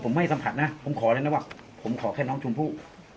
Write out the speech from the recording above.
ผมไม่สัมผัสนะผมขอเลยนะว่าผมขอแค่น้องชมพู่